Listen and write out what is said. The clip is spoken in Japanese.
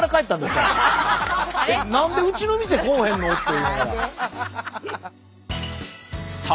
「何でうちの店来うへんの？」って言いながら。